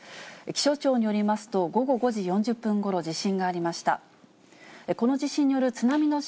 気象庁によりますと、午後５時４０分ごろ、地震がありました。